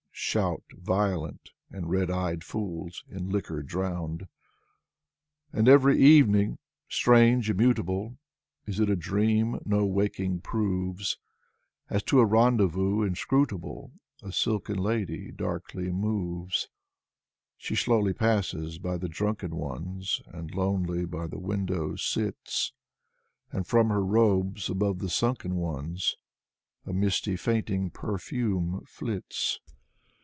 '* shout violent And red eyed fools in liquor drowned. 130 Alexander Blok And every evening, strange, immutable, (Is it a dream no waking proves?) As to a rendezvous inscrutable A silken lady darkly moves. She slowly passes by the drunken ones And lonely by the window sits; And from her robes, above the sunken ones, A misty fainting perfume flits.